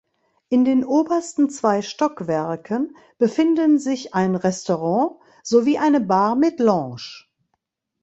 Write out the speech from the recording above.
In den obersten zwei Stockwerken befinden sich ein Restaurant sowie eine Bar mit Lounge.